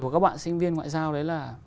của các bạn sinh viên ngoại giao đấy là